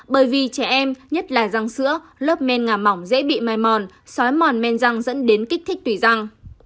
bởi vì trẻ em nhất là răng sữa lớp men ngà mỏng dễ bị mài mòn xói mòn men răng dẫn đến kích thích tủy răng